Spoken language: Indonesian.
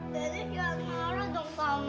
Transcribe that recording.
tadi dia marah dong sama mama